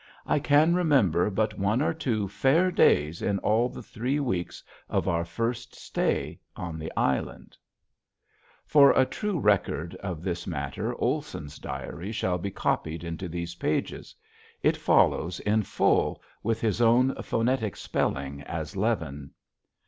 I can remember but one or two fair days in all the three weeks of our first stay on the island. [Illustration: FIRE WOOD] For a true record of this matter Olson's diary shall be copied into these pages. It follows in full with his own phonetic spelling as leaven.